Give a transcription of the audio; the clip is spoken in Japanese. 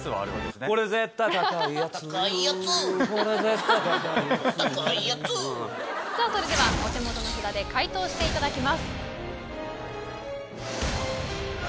さぁそれではお手元の札で解答していただきます。